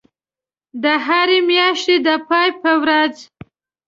د هری میاشتی د پای په ورځ